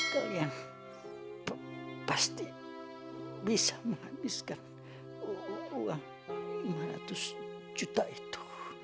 kalian pasti bisa menghabiskan uang lima ratus juta itu